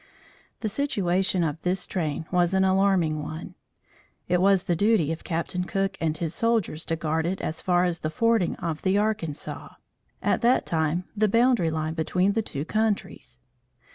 The situation of this train was an alarming one. It was the duty of Captain Cook and his soldiers to guard it as far as the fording of the Arkansas, at that time the boundary line between the two countries.